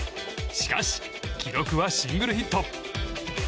しかし、記録はシングルヒット。